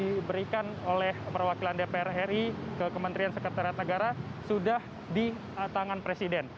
yang diberikan oleh perwakilan dpr ri ke kementerian sekretariat negara sudah di tangan presiden